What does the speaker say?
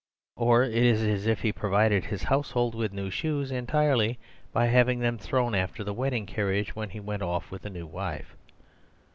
Or it is as if he pro vided his household with new shoes, entirely by having them thrown after the wedding car riage when he went off with a new wife.